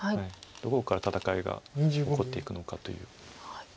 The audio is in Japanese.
どこから戦いが起こっていくのかという。